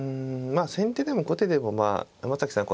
まあ先手でも後手でも山崎さん